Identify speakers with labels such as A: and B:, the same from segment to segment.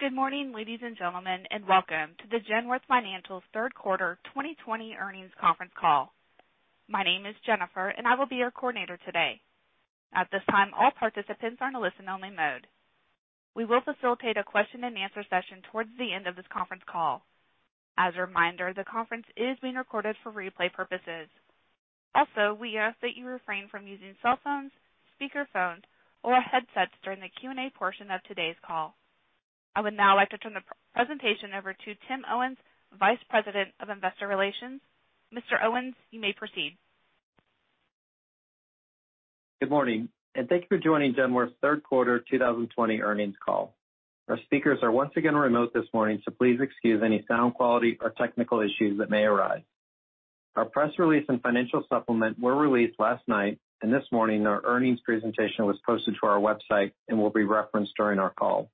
A: Good morning, ladies and gentlemen, welcome to the Genworth Financial's Q3 2020 Earnings Conference Call. My name is Jennifer, and I will be your coordinator today. At this time, all participants are in a listen-only mode. We will facilitate a question and answer session towards the end of this conference call. As a reminder, the conference is being recorded for replay purposes. We ask that you refrain from using cell phones, speakerphones, or headsets during the Q&A portion of today's call. I would now like to turn the presentation over to Tim Owens, Vice President of Investor Relations. Mr. Owens, you may proceed.
B: Good morning, and thank you for joining Genworth's Q3 2020 Earnings Call. Our speakers are once again remote this morning, so please excuse any sound quality or technical issues that may arise. Our press release and financial supplement were released last night, and this morning, our earnings presentation was posted to our website and will be referenced during our call.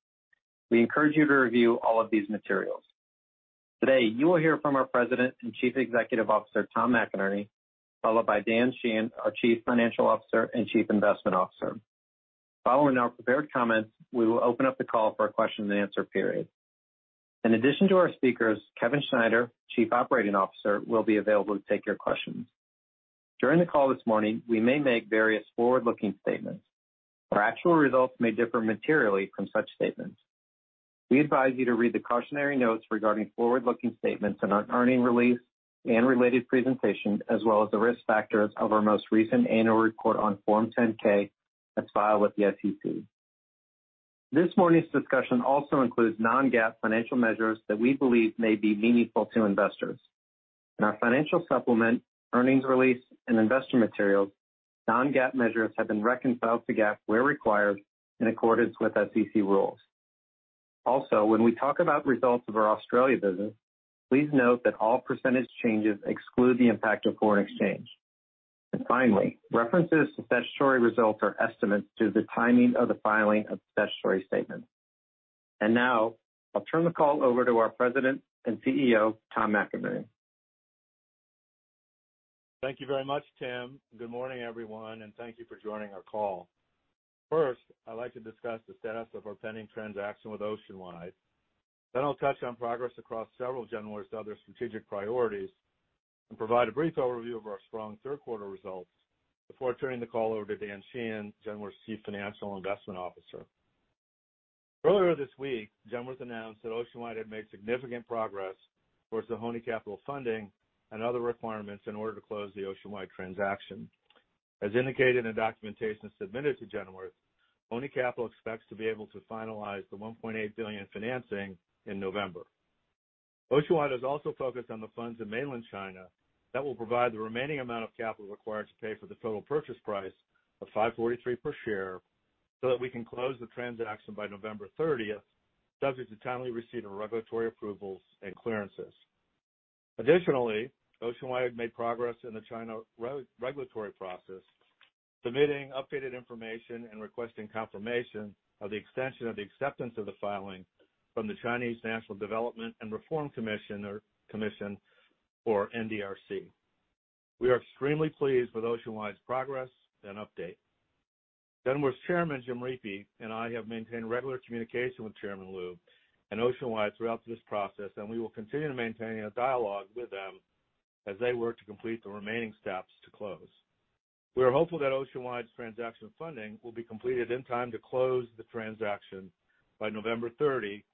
B: We encourage you to review all of these materials. Today, you will hear from our President and Chief Executive Officer, Tom McInerney, followed by Dan Sheehan, our Chief Financial Officer and Chief Investment Officer. Following our prepared comments, we will open up the call for a question and answer period. In addition to our speakers, Kevin Schneider, Chief Operating Officer, will be available to take your questions. During the call this morning, we may make various forward-looking statements. Our actual results may differ materially from such statements. We advise you to read the cautionary notes regarding forward-looking statements in our earnings release and related presentation, as well as the risk factors of our most recent annual report on Form 10-K as filed with the SEC. This morning's discussion also includes non-GAAP financial measures that we believe may be meaningful to investors. In our financial supplement, earnings release, and investor materials, non-GAAP measures have been reconciled to GAAP where required in accordance with SEC rules. Also, when we talk about results of our Australia business, please note that all % changes exclude the impact of foreign exchange. Finally, references to statutory results are estimates due to the timing of the filing of statutory statements. Now I'll turn the call over to our President and CEO, Tom McInerney.
C: Thank you very much, Tim. Good morning, everyone, and thank you for joining our call. First, I'd like to discuss the status of our pending transaction with Oceanwide. I'll touch on progress across several of Genworth's other strategic priorities and provide a brief overview of our strong third quarter results before turning the call over to Dan Sheehan, Genworth's Chief Financial and Investment Officer. Earlier this week, Genworth announced that Oceanwide had made significant progress towards the Hony Capital funding and other requirements in order to close the Oceanwide transaction. As indicated in documentation submitted to Genworth, Hony Capital expects to be able to finalize the $1.8 billion financing in November. Oceanwide is also focused on the funds in mainland China that will provide the remaining amount of capital required to pay for the total purchase price of $5.43 per share so that we can close the transaction by November 30th, subject to timely receipt of regulatory approvals and clearances. Additionally, Oceanwide made progress in the China regulatory process, submitting updated information and requesting confirmation of the extension of the acceptance of the filing from the Chinese National Development and Reform Commission, or NDRC. We are extremely pleased with Oceanwide's progress and update. Genworth's Chairman, Jim Riepe, and I have maintained regular communication with Chairman Lu and Oceanwide throughout this process, and we will continue to maintain a dialogue with them as they work to complete the remaining steps to close. We are hopeful that Oceanwide's transaction funding will be completed in time to close the transaction by November 30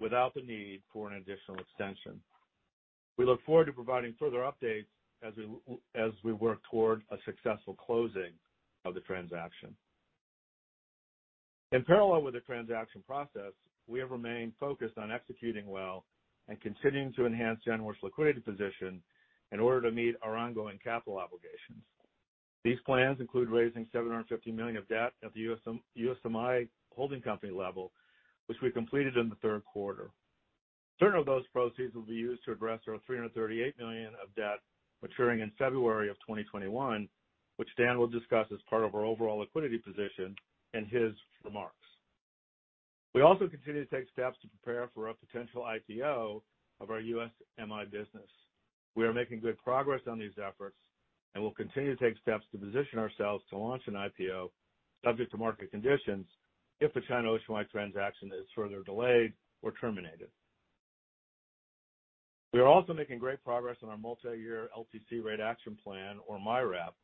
C: without the need for an additional extension. We look forward to providing further updates as we work toward a successful closing of the transaction. In parallel with the transaction process, we have remained focused on executing well and continuing to enhance Genworth's liquidity position in order to meet our ongoing capital obligations. These plans include raising $750 million of debt at the USMI holding company level, which we completed in the third quarter. Certain of those proceeds will be used to address our $338 million of debt maturing in February of 2021, which Dan will discuss as part of our overall liquidity position in his remarks. We also continue to take steps to prepare for a potential IPO of our USMI business. We are making good progress on these efforts and will continue to take steps to position ourselves to launch an IPO subject to market conditions if the China Oceanwide transaction is further delayed or terminated. We are also making great progress on our multi-year LTC Rate Action Plan, or MYRAP,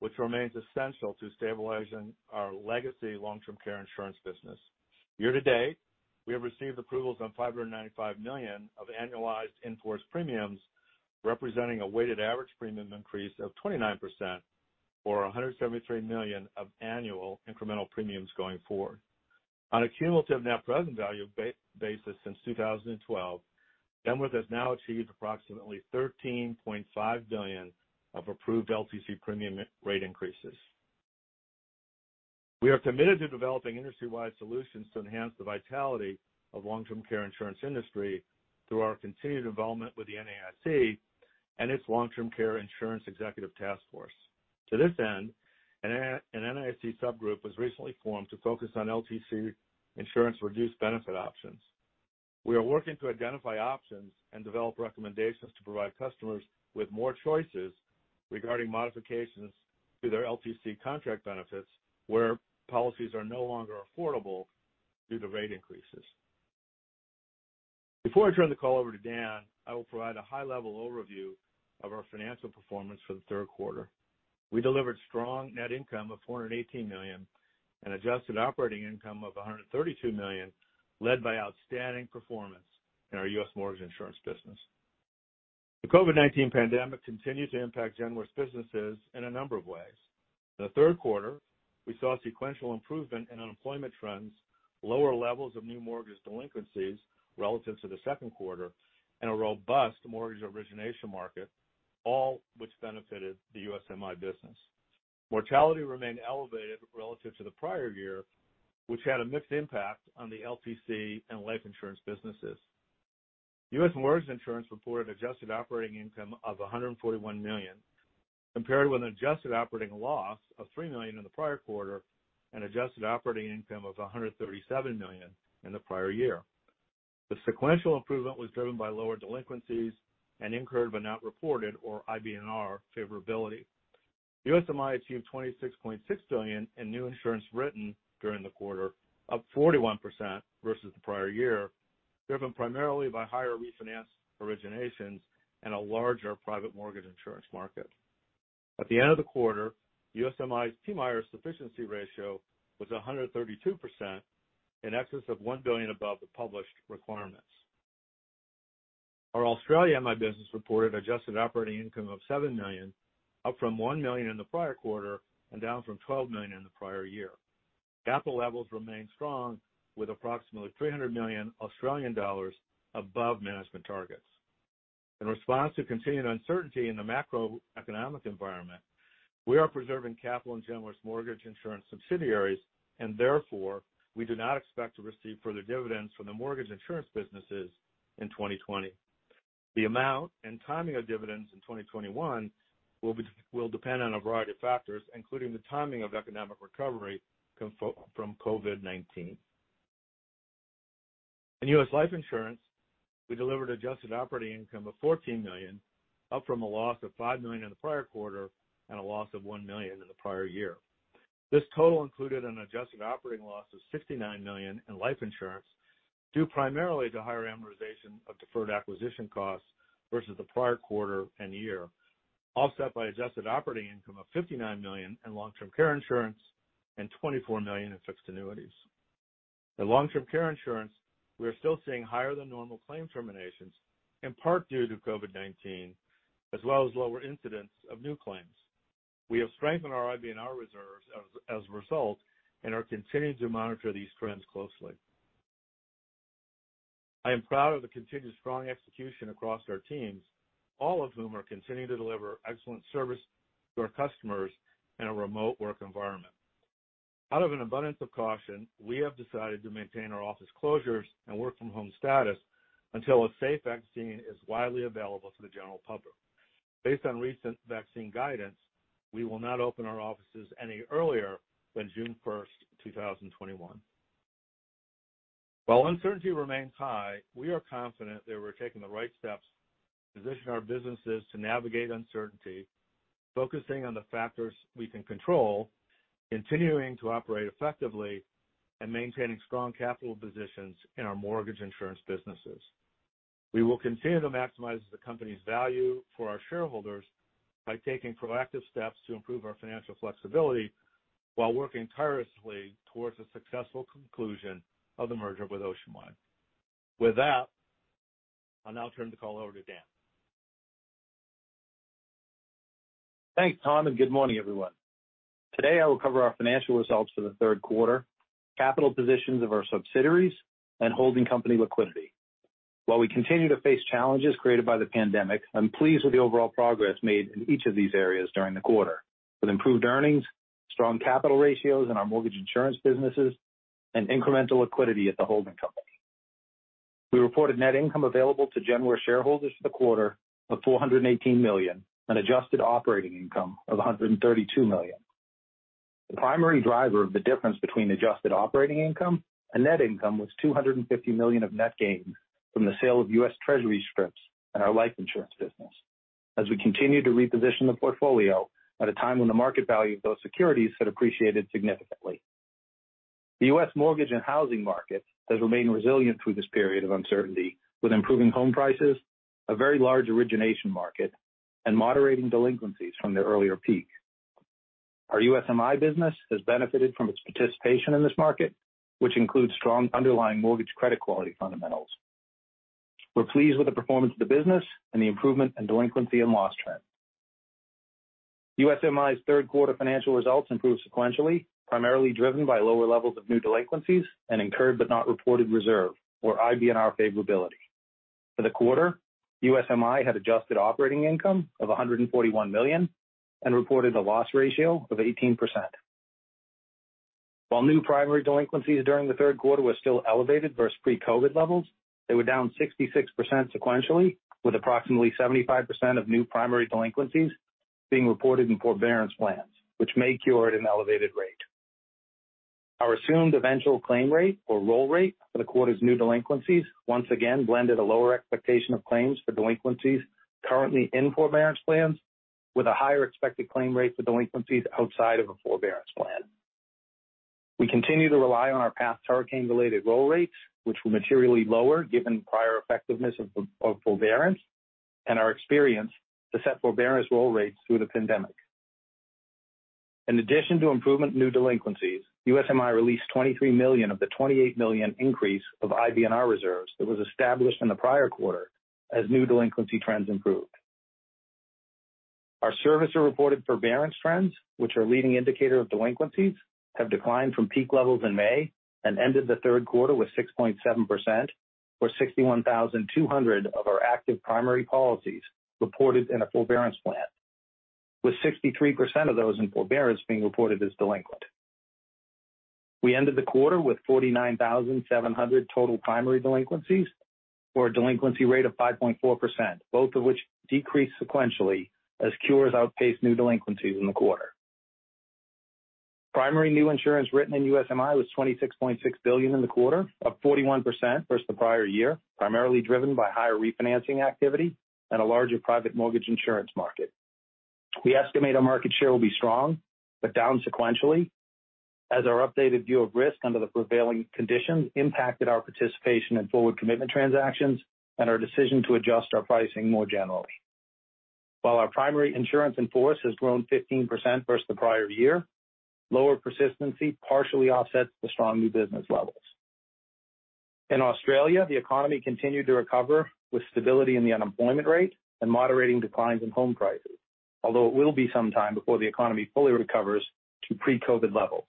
C: which remains essential to stabilizing our legacy long-term care insurance business. Year to date, we have received approvals on $595 million of annualized in-force premiums, representing a weighted average premium increase of 29%, or $173 million of annual incremental premiums going forward. On a cumulative net present value basis since 2012, Genworth has now achieved approximately $13.5 billion of approved LTC premium rate increases. We are committed to developing industry-wide solutions to enhance the vitality of long-term care insurance industry through our continued involvement with the NAIC and its Long-Term Care Insurance Executive Task Force. To this end, an NAIC subgroup was recently formed to focus on LTC insurance reduced benefit options. We are working to identify options and develop recommendations to provide customers with more choices regarding modifications to their LTC contract benefits where policies are no longer affordable due to rate increases. Before I turn the call over to Dan, I will provide a high-level overview of our financial performance for the Q3. We delivered strong net income of $418 million and adjusted operating income of $132 million, led by outstanding performance in our U.S. Mortgage Insurance business. The COVID-19 pandemic continues to impact Genworth's businesses in a number of ways. In the third quarter, we saw sequential improvement in unemployment trends, lower levels of new mortgage delinquencies relative to the second quarter, and a robust mortgage origination market, all which benefited the USMI business. Mortality remained elevated relative to the prior year, which had a mixed impact on the LTC and life insurance businesses. U.S. Mortgage Insurance reported adjusted operating income of $141 million, compared with an adjusted operating loss of $3 million in the prior quarter and adjusted operating income of $137 million in the prior year. The sequential improvement was driven by lower delinquencies and incurred but not reported, or IBNR, favorability. USMI achieved $26.6 billion in new insurance written during the quarter, up 41% versus the prior year, driven primarily by higher refinance originations and a larger private mortgage insurance market. At the end of the quarter, USMI's PMIER sufficiency ratio was 132%, in excess of $1 billion above the published requirements. Our Australia MI business reported adjusted operating income of $7 million, up from $1 million in the prior quarter and down from $12 million in the prior year. Capital levels remain strong with approximately 300 million Australian dollars above management targets. In response to continued uncertainty in the macroeconomic environment, we are preserving capital in Genworth's mortgage insurance subsidiaries and therefore, we do not expect to receive further dividends from the mortgage insurance businesses in 2020. The amount and timing of dividends in 2021 will depend on a variety of factors, including the timing of economic recovery from COVID-19. In U.S. Life Insurance, we delivered adjusted operating income of $14 million, up from a loss of $5 million in the prior quarter and a loss of $1 million in the prior year. This total included an adjusted operating loss of $69 million in life insurance, due primarily to higher amortization of deferred acquisition costs versus the prior quarter and year, offset by adjusted operating income of $59 million in long-term care insurance and $24 million in fixed annuities. In Long-Term Care Insurance, we are still seeing higher than normal claim terminations, in part due to COVID-19, as well as lower incidence of new claims. We have strengthened our IBNR reserves as a result and are continuing to monitor these trends closely. I am proud of the continued strong execution across our teams, all of whom are continuing to deliver excellent service to our customers in a remote work environment. Out of an abundance of caution, we have decided to maintain our office closures and work from home status until a safe vaccine is widely available to the general public. Based on recent vaccine guidance, we will not open our offices any earlier than June 1st, 2021. While uncertainty remains high, we are confident that we're taking the right steps to position our businesses to navigate uncertainty, focusing on the factors we can control, continuing to operate effectively, and maintaining strong capital positions in our mortgage insurance businesses. We will continue to maximize the company's value for our shareholders by taking proactive steps to improve our financial flexibility while working tirelessly towards a successful conclusion of the merger with Oceanwide. With that, I'll now turn the call over to Dan.
D: Thanks, Tom, good morning, everyone. Today, I will cover our financial results for the third quarter, capital positions of our subsidiaries, and holding company liquidity. While we continue to face challenges created by the pandemic, I'm pleased with the overall progress made in each of these areas during the quarter with improved earnings, strong capital ratios in our mortgage insurance businesses, and incremental liquidity at the holding company. We reported net income available to Genworth shareholders for the quarter of $418 million and adjusted operating income of $132 million. The primary driver of the difference between adjusted operating income and net income was $250 million of net gains from the sale of U.S. Treasury STRIPS in our life insurance business as we continue to reposition the portfolio at a time when the market value of those securities had appreciated significantly. The U.S. mortgage and housing market has remained resilient through this period of uncertainty with improving home prices, a very large origination market, and moderating delinquencies from their earlier peak. Our USMI business has benefited from its participation in this market, which includes strong underlying mortgage credit quality fundamentals. We're pleased with the performance of the business and the improvement in delinquency and loss trends. USMI's Q3 financial results improved sequentially, primarily driven by lower levels of new delinquencies and incurred but not reported reserve or IBNR favorability. For the quarter, USMI had adjusted operating income of $141 million and reported a loss ratio of 18%. While new primary delinquencies during the Q3 were still elevated versus pre-COVID-19 levels, they were down 66% sequentially, with approximately 75% of new primary delinquencies being reported in forbearance plans, which may cure at an elevated rate. Our assumed eventual claim rate or roll rate for the quarter's new delinquencies once again blended a lower expectation of claims for delinquencies currently in forbearance plans with a higher expected claim rate for delinquencies outside of a forbearance plan. We continue to rely on our past hurricane-related roll rates, which were materially lower given the prior effectiveness of forbearance and our experience to set forbearance roll rates through the pandemic. In addition to improvement in new delinquencies, USMI released $23 million of the $28 million increase of IBNR reserves that was established in the prior quarter as new delinquency trends improved. Our servicer-reported forbearance trends, which are a leading indicator of delinquencies, have declined from peak levels in May and ended the Q3 with 6.7%, or 61,200 of our active primary policies reported in a forbearance plan, with 63% of those in forbearance being reported as delinquent. We ended the quarter with 49,700 total primary delinquencies or a delinquency rate of 5.4%, both of which decreased sequentially as cures outpaced new delinquencies in the quarter. Primary new insurance written in USMI was $26.6 billion in the quarter, up 41% versus the prior year, primarily driven by higher refinancing activity and a larger private mortgage insurance market. We estimate our market share will be strong but down sequentially as our updated view of risk under the prevailing conditions impacted our participation in forward commitment transactions and our decision to adjust our pricing more generally. While our primary insurance in force has grown 15% versus the prior year, lower persistency partially offsets the strong new business levels. In Australia, the economy continued to recover with stability in the unemployment rate and moderating declines in home prices. Although it will be some time before the economy fully recovers to pre-COVID-19 levels.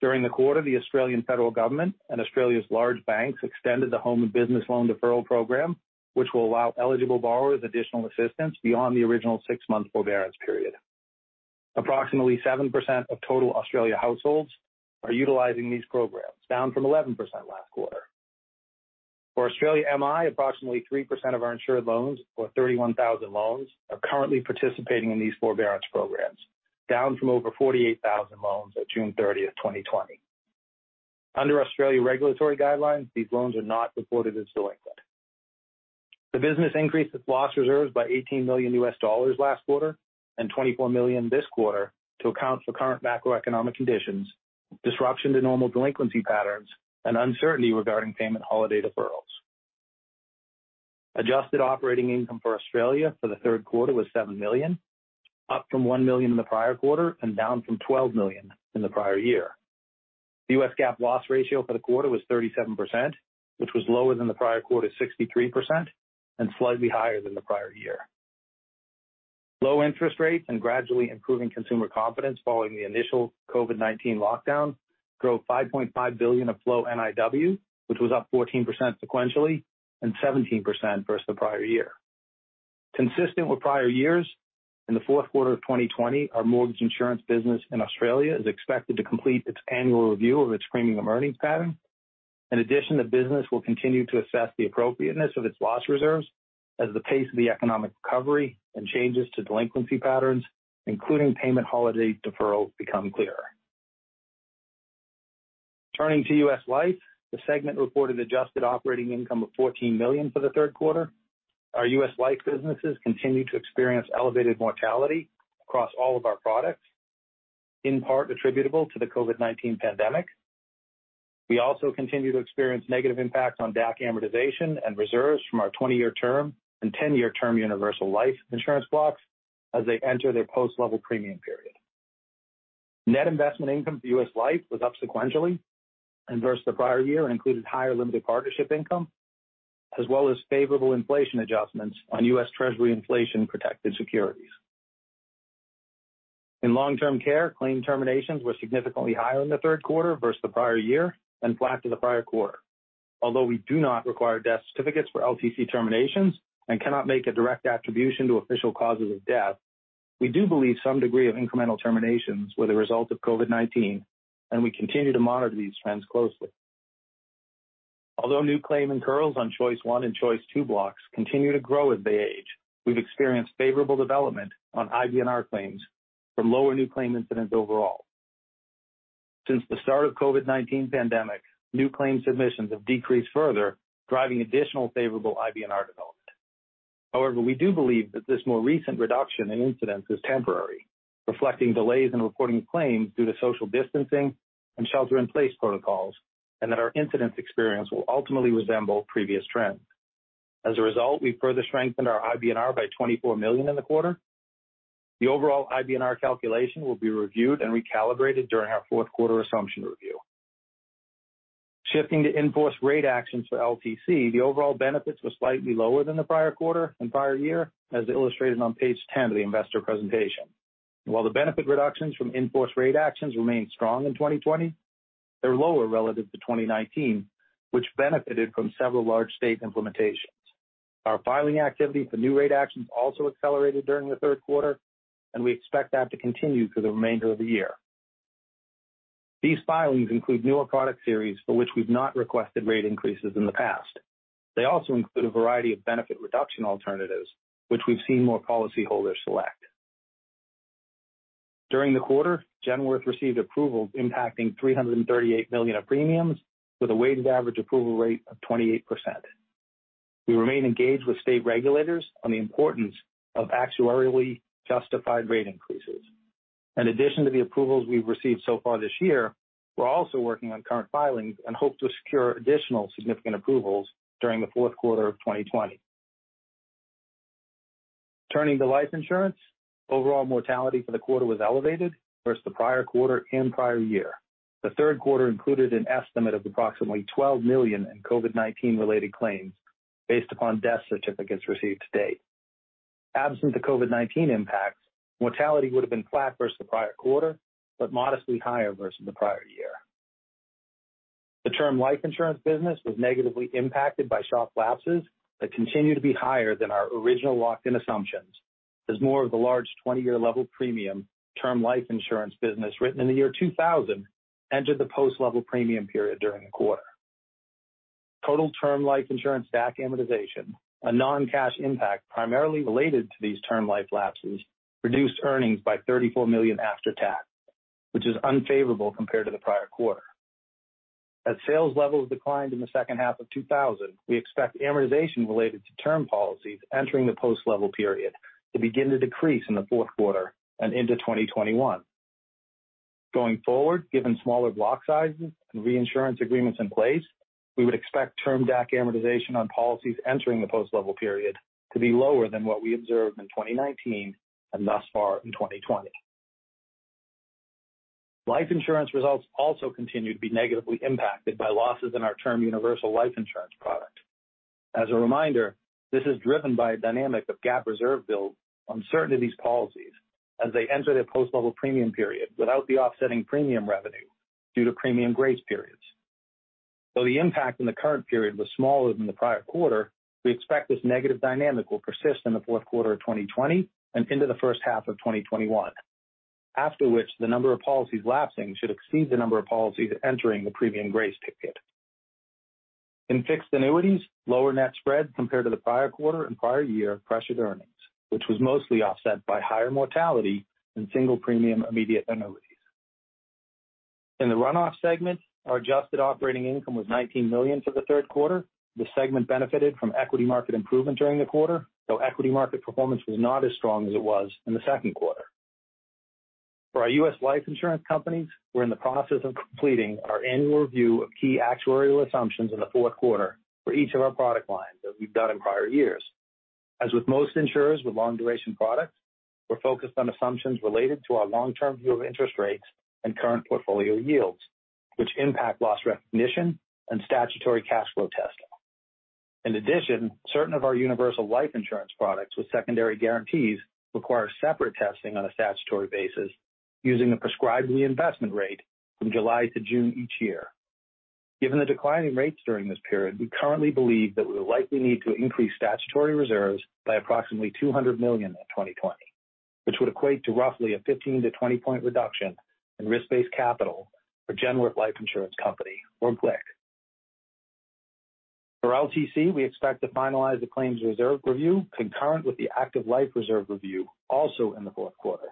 D: During the quarter, the Australian Federal Government and Australia's large banks extended the Home and Business Loan Deferral program, which will allow eligible borrowers additional assistance beyond the original six-month forbearance period. Approximately 7% of total Australia households are utilizing these programs, down from 11% last quarter. For Australia MI, approximately 3% of our insured loans or 31,000 loans are currently participating in these forbearance programs, down from over 48,000 loans at June 30th, 2020. Under Australia regulatory guidelines, these loans are not reported as delinquent. The business increased its loss reserves by $18 million last quarter, and $24 million this quarter to account for current macroeconomic conditions, disruption to normal delinquency patterns, and uncertainty regarding payment holiday deferrals. Adjusted operating income for Australia for the Q3 was $7 million, up from $1 million in the prior quarter and down from $12 million in the prior year. The U.S. GAAP loss ratio for the quarter was 37%, which was lower than the prior quarter's 63% and slightly higher than the prior year. Low interest rates and gradually improving consumer confidence following the initial COVID-19 lockdowns drove $5.5 billion of flow NIW, which was up 14% sequentially and 17% versus the prior year. Consistent with prior years, in the Q4 of 2020, our mortgage insurance business in Australia is expected to complete its annual review of its premium earnings pattern. In addition, the business will continue to assess the appropriateness of its loss reserves as the pace of the economic recovery and changes to delinquency patterns, including payment holiday deferrals, become clearer. Turning to U.S. Life, the segment reported adjusted operating income of $14 million for the third quarter. Our U.S. Life businesses continue to experience elevated mortality across all of our products, in part attributable to the COVID-19 pandemic. We also continue to experience negative impacts on DAC amortization and reserves from our 20-year term and 10-year term universal life insurance blocks as they enter their post-level premium period. Net investment income for U.S. Life was up sequentially and versus the prior year and included higher limited partnership income, as well as favorable inflation adjustments on U.S. Treasury Inflation-Protected Securities. In long-term care, claim terminations were significantly higher in the Q3 versus the prior year and flat to the prior quarter. We do not require death certificates for LTC terminations and cannot make a direct attribution to official causes of death, we do believe some degree of incremental terminations were the result of COVID-19, and we continue to monitor these trends closely. New claim incurrals on Choice 1 and Choice 2 blocks continue to grow as they age, we've experienced favorable development on IBNR claims from lower new claim incidents overall. Since the start of the COVID-19 pandemic, new claim submissions have decreased further, driving additional favorable IBNR development. We do believe that this more recent reduction in incidents is temporary, reflecting delays in reporting claims due to social distancing and shelter-in-place protocols, and that our incidents experience will ultimately resemble previous trends. As a result, we further strengthened our IBNR by $24 million in the quarter. The overall IBNR calculation will be reviewed and recalibrated during our fourth quarter assumption review. Shifting to in-force rate actions for LTC, the overall benefits were slightly lower than the prior quarter and prior year, as illustrated on page 10 of the investor presentation. While the benefit reductions from in-force rate actions remained strong in 2020, they're lower relative to 2019, which benefited from several large state implementations. Our filing activity for new rate actions also accelerated during the third quarter. We expect that to continue through the remainder of the year. These filings include newer product series for which we've not requested rate increases in the past. They also include a variety of benefit reduction alternatives, which we've seen more policyholders select. During the quarter, Genworth received approval impacting $338 million of premiums with a weighted average approval rate of 28%. We remain engaged with state regulators on the importance of actuarially justified rate increases. In addition to the approvals we've received so far this year, we're also working on current filings and hope to secure additional significant approvals during the Q4 of 2020. Turning to life insurance, overall mortality for the quarter was elevated versus the prior quarter and prior year. The Q3 included an estimate of approximately $12 million in COVID-19 related claims based upon death certificates received to date. Absent the COVID-19 impact, mortality would've been flat versus the prior quarter, but modestly higher versus the prior year. The term life insurance business was negatively impacted by sharp lapses that continue to be higher than our original locked-in assumptions, as more of the large 20-year level premium term life insurance business written in the year 2000 entered the post level premium period during the quarter. Total term life insurance DAC amortization, a non-cash impact primarily related to these term life lapses, reduced earnings by $34 million after tax, which is unfavorable compared to the prior quarter. As sales levels declined in the H2 of 2000, we expect amortization related to term policies entering the post level period to begin to decrease in the Q4 and into 2021. Going forward, given smaller block sizes and reinsurance agreements in place, we would expect term DAC amortization on policies entering the post level period to be lower than what we observed in 2019 and thus far in 2020. Life insurance results also continue to be negatively impacted by losses in our term universal life insurance product. As a reminder, this is driven by a dynamic of GAAP reserve build on certain of these policies as they enter their post level premium period without the offsetting premium revenue due to premium grace periods. Though the impact in the current period was smaller than the prior quarter, we expect this negative dynamic will persist in the Q4 of 2020 and into the H1 of 2021, after which the number of policies lapsing should exceed the number of policies entering the premium grace period. In fixed annuities, lower net spread compared to the prior quarter and prior year pressured earnings, which was mostly offset by higher mortality in single premium immediate annuities. In the runoff segment, our adjusted operating income was $19 million for the Q3. This segment benefited from equity market improvement during the quarter, though equity market performance was not as strong as it was in the Q2. For our U.S. Life Insurance companies, we're in the process of completing our annual review of key actuarial assumptions in the fourth quarter for each of our product lines as we've done in prior years. As with most insurers with long duration products, we're focused on assumptions related to our long-term view of interest rates and current portfolio yields, which impact loss recognition and statutory cash flow testing. In addition, certain of our universal life insurance products with secondary guarantees require separate testing on a statutory basis using a prescribed reinvestment rate from July to June each year. Given the declining rates during this period, we currently believe that we'll likely need to increase statutory reserves by approximately $200 million in 2020, which would equate to roughly a 15-20 point reduction in risk-based capital for Genworth Life Insurance Company or GLIC. For LTC, we expect to finalize the claims reserve review concurrent with the active life reserve review also in the fourth quarter.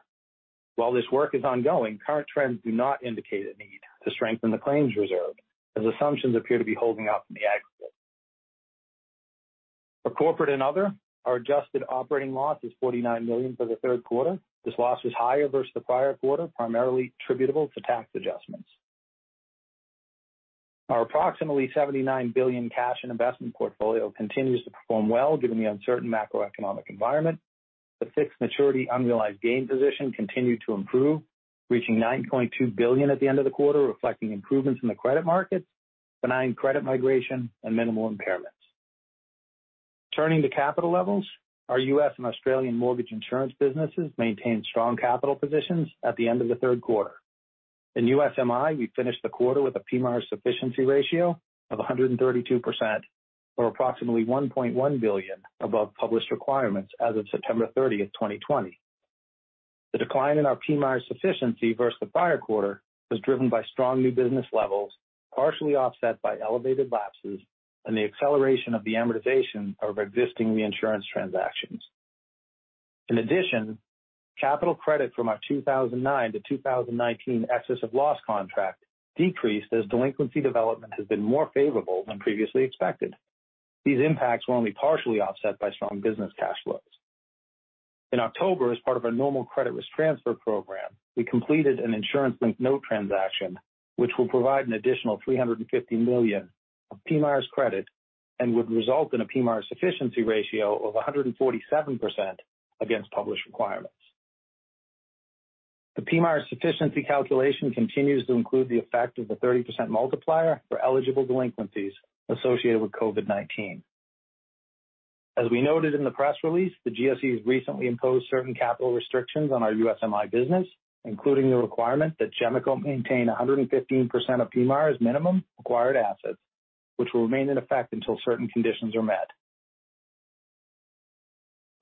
D: While this work is ongoing, current trends do not indicate a need to strengthen the claims reserve, as assumptions appear to be holding up in the aggregate. For corporate and other, our adjusted operating loss is $49 million for the Q3. This loss was higher versus the prior quarter, primarily attributable to tax adjustments. Our approximately $79 billion cash and investment portfolio continues to perform well given the uncertain macroeconomic environment. The fixed maturity unrealized gain position continued to improve, reaching $9.2 billion at the end of the quarter, reflecting improvements in the credit markets, benign credit migration, and minimal impairments. Turning to capital levels, our U.S. and Australia Mortgage Insurance businesses maintained strong capital positions at the end of the third quarter. In USMI, we finished the quarter with a PMIER sufficiency ratio of 132%, or approximately $1.1 billion above published requirements as of September 30th, 2020. The decline in our PMIER sufficiency versus the prior quarter was driven by strong new business levels, partially offset by elevated lapses and the acceleration of the amortization of existing reinsurance transactions. In addition, capital credit from our 2009-2019 excess of loss contract decreased as delinquency development has been more favorable than previously expected. These impacts were only partially offset by strong business cash flows. In October, as part of our normal credit risk transfer program, we completed an insurance linked note transaction, which will provide an additional $350 million of PMIERs credit and would result in a PMIER sufficiency ratio of 147% against published requirements. The PMIER sufficiency calculation continues to include the effect of the 30% multiplier for eligible delinquencies associated with COVID-19. As we noted in the press release, the GSE has recently imposed certain capital restrictions on our USMI business, including the requirement that GMICO maintain 115% of PMIERs minimum required assets, which will remain in effect until certain conditions are met.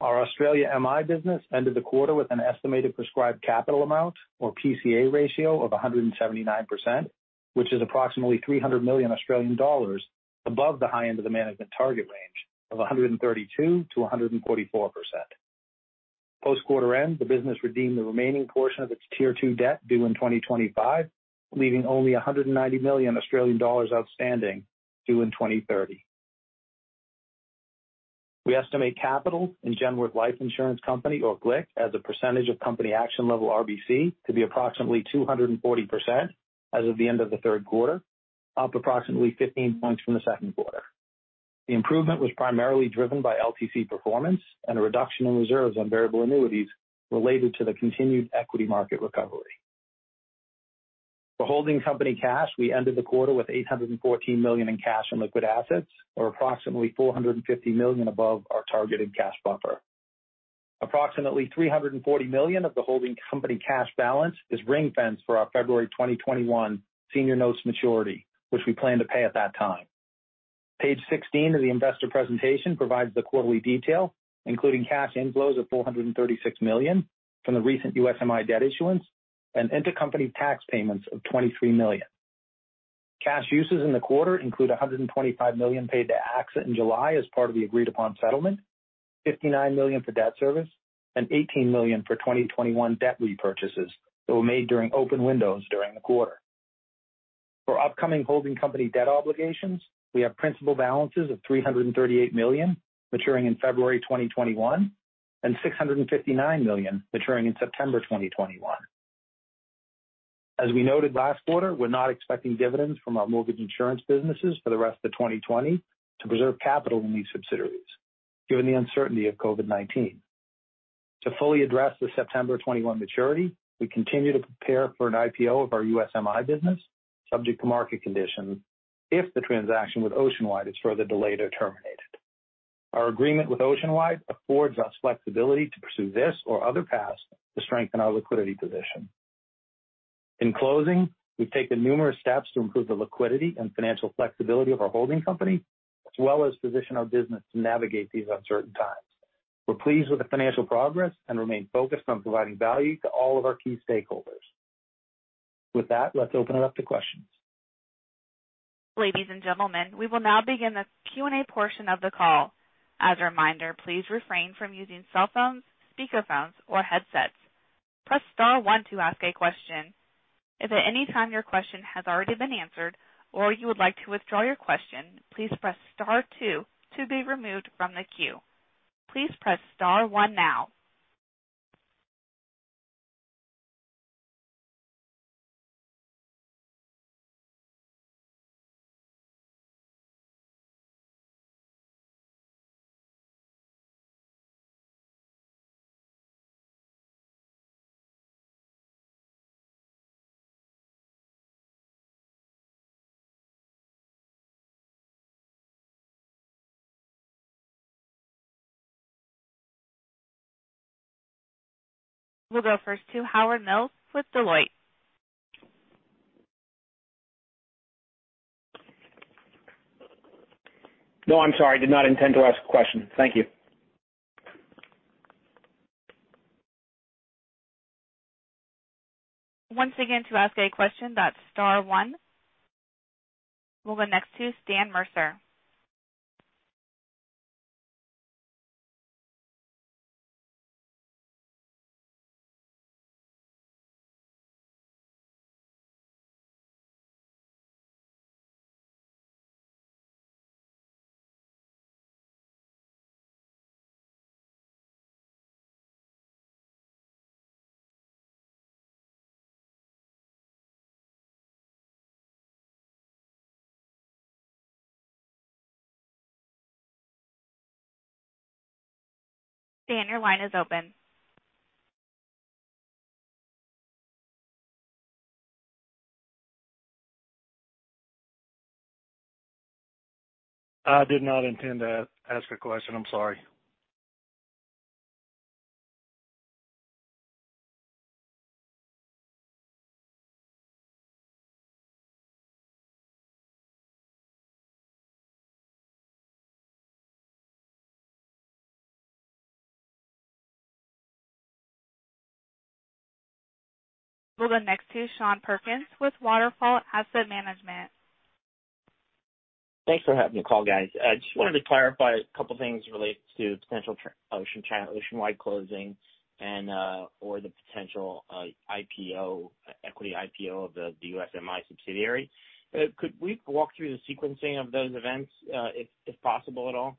D: Our Australia MI business ended the quarter with an estimated prescribed capital amount, or PCA ratio, of 179%, which is approximately 300 million Australian dollars above the high end of the management target range of 132%-144%. Post quarter end, the business redeemed the remaining portion of its Tier 2 debt due in 2025, leaving only 190 million Australian dollars outstanding due in 2030. We estimate capital in Genworth Life Insurance Company, or GLIC, as a percentage of company action level RBC to be approximately 240% as of the end of the third quarter, up approximately 15 points from the second quarter. The improvement was primarily driven by LTC performance and a reduction in reserves on variable annuities related to the continued equity market recovery. For holding company cash, we ended the quarter with $814 million in cash on liquid assets, or approximately $450 million above our targeted cash buffer. Approximately $340 million of the holding company cash balance is ring-fence for our February 2021 senior notes maturity, which we plan to pay at that time. Page 16 of the investor presentation provides the quarterly detail, including cash inflows of $436 million from the recent USMI debt issuance and intercompany tax payments of $23 million. Cash uses in the quarter include $125 million paid to AXA in July as part of the agreed-upon settlement, $59 million for debt service, and $18 million for 2021 debt repurchases that were made during open windows during the quarter. For upcoming holding company debt obligations, we have principal balances of $338 million maturing in February 2021 and $659 million maturing in September 2021. As we noted last quarter, we're not expecting dividends from our mortgage insurance businesses for the rest of 2020 to preserve capital in these subsidiaries given the uncertainty of COVID-19. To fully address the September 2021 maturity, we continue to prepare for an IPO of our USMI business, subject to market conditions, if the transaction with Oceanwide is further delayed or terminated. Our agreement with Oceanwide affords us flexibility to pursue this or other paths to strengthen our liquidity position. In closing, we've taken numerous steps to improve the liquidity and financial flexibility of our holding company, as well as position our business to navigate these uncertain times. We're pleased with the financial progress and remain focused on providing value to all of our key stakeholders. With that, let's open it up to questions.
A: Ladies and gentlemen, we will now begin the Q&A portion of the call. As a reminder, please refrain from using cell phones, speaker phones, or headsets. Press star one to ask a question. If at any time your question has already been answered or you would like to withdraw your question, please press star two to be removed from the queue. Please press star one now. We will go first to Howard Mills with Deloitte.
E: No, I'm sorry. Did not intend to ask a question. Thank you.
A: Once again, to ask a question, that's star one. We'll go next to Stan Mercer. Stan, your line is open.
F: I did not intend to ask a question. I'm sorry.
A: We'll go next to Sean Perkins with Waterfall Asset Management.
G: Thanks for having the call, guys. I just wanted to clarify a couple things related to potential Oceanwide closing and/or the potential equity IPO of the USMI subsidiary. Could we walk through the sequencing of those events, if possible at all?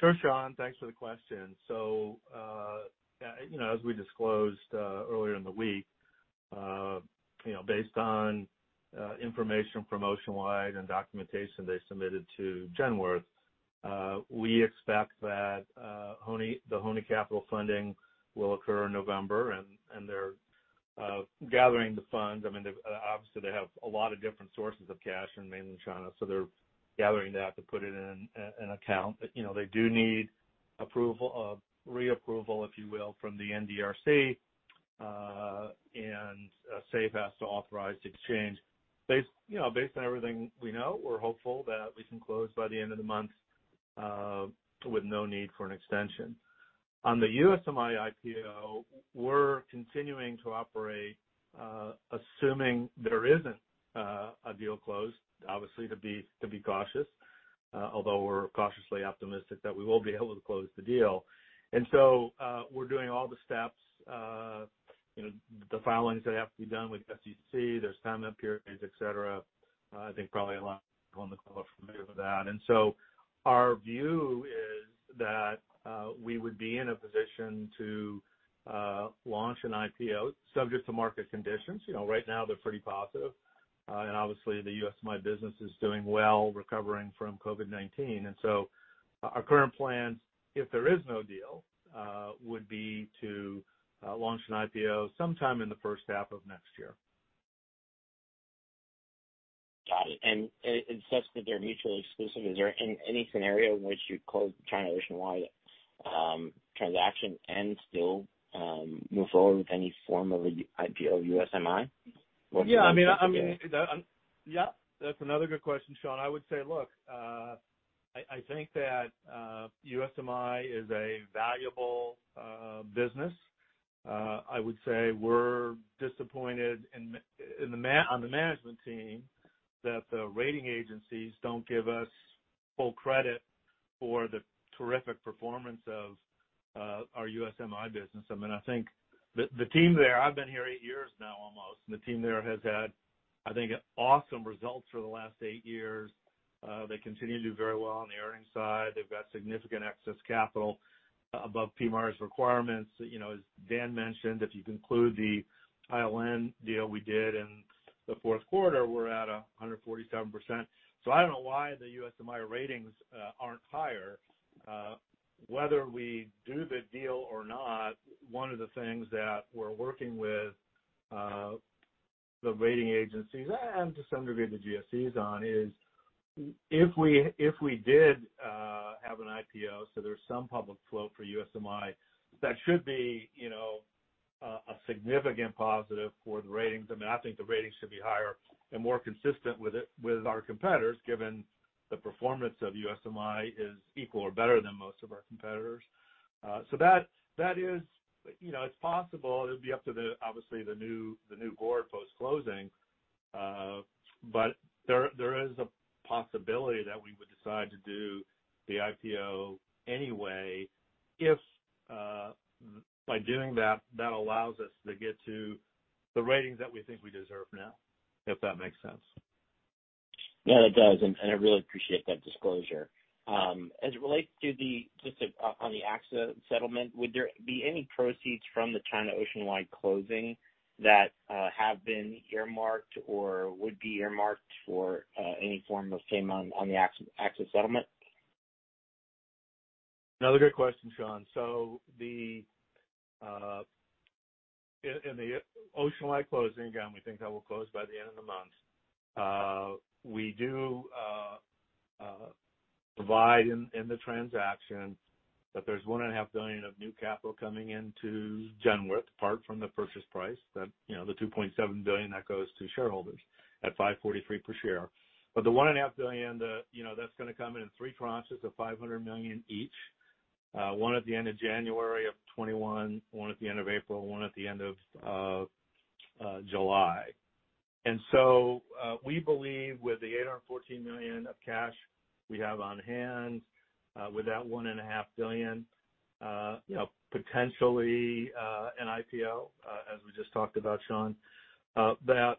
C: Sure, Sean. Thanks for the question. As we disclosed earlier in the week, based on information from Oceanwide and documentation they submitted to Genworth, we expect that the Hony Capital funding will occur in November, and they're gathering the funds. Obviously, they have a lot of different sources of cash in mainland China, they're gathering that to put it in an account. They do need re-approval, if you will, from the NDRC. SAFE has to authorize the exchange. Based on everything we know, we're hopeful that we can close by the end of the month with no need for an extension. On the USMI IPO, we're continuing to operate assuming there isn't a deal closed, obviously to be cautious, although we're cautiously optimistic that we will be able to close the deal. So, we're doing all the steps, the filings that have to be done with the SEC. There's time-out periods, et cetera. I think probably a lot of people on the call are familiar with that. So our view is that we would be in a position to launch an IPO subject to market conditions. Right now they're pretty positive. Obviously the USMI business is doing well, recovering from COVID-19. Our current plan, if there is no deal, would be to launch an IPO sometime in the H1 of next year.
G: Got it. It says that they're mutually exclusive. Is there any scenario in which you'd close the China Oceanwide transaction and still move forward with any form of IPO USMI?
C: Yeah. That's another good question, Sean. I would say, look, I think that USMI is a valuable business. I would say we're disappointed on the management team that the rating agencies don't give us full credit for the terrific performance of our USMI business. I've been here eight years now almost, and the team there has had, I think, awesome results for the last eight years. They continue to do very well on the earnings side. They've got significant excess capital above PMIERs requirements. As Dan mentioned, if you conclude the ILN deal we did in the fourth quarter, we're at 147%. I don't know why the USMI ratings aren't higher. Whether we do the deal or not, one of the things that we're working with the rating agencies and to some degree the GSEs on is if we did have an IPO, so there's some public float for USMI, that should be a significant positive for the ratings. I think the ratings should be higher and more consistent with our competitors, given the performance of USMI is equal to or better than most of our competitors. It's possible. It'll be up to obviously the new board post-closing, but there is a possibility that we would decide to do the IPO anyway if by doing that allows us to get to the ratings that we think we deserve now, if that makes sense.
G: Yeah, it does. I really appreciate that disclosure. As it relates to just on the AXA settlement, would there be any proceeds from the China Oceanwide closing that have been earmarked or would be earmarked for any form of payment on the AXA settlement?
C: Another good question, Sean. In the Oceanwide closing, again, we think that will close by the end of the month. We do provide in the transaction that there is $1.5 billion of new capital coming into Genworth, apart from the purchase price, the $2.7 billion that goes to shareholders at $5.43 per share. The $1.5 billion that is going to come in in three tranches of $500 million each, one at the end of January of 2021, one at the end of April, one at the end of July. We believe with the $814 million of cash we have on hand, with that $1.5 billion, potentially an IPO as we just talked about, Sean, that